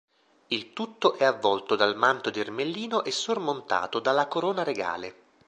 Il tutto è avvolto dal manto di ermellino e sormontato dalla corona regale.